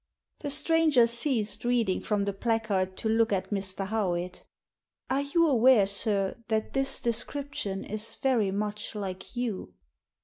The stranger ceased reading from the placard to look at Mr. Howitt "Are you aware, sir, that this description is very much like you